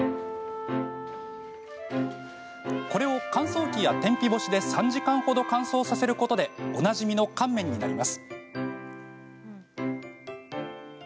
これを乾燥機や天日干しで３時間ほど乾燥させることでおなじみの乾麺になります。